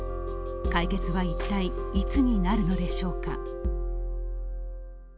解決は一体、いつになるのでしょうか。